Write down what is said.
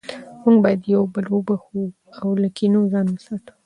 موږ باید یو بل وبخښو او له کینې ځان وساتو